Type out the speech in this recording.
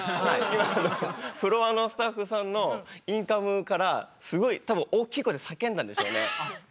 今のフロアのスタッフさんのインカムからすごい多分大きい声で叫んだんですよね。